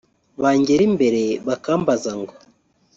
bangera imbere bakambaza ngo